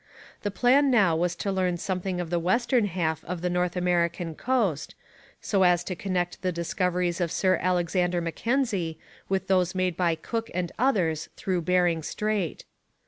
The plan now was to learn something of the western half of the North American coast, so as to connect the discoveries of Sir Alexander Mackenzie with those made by Cook and others through Bering Strait.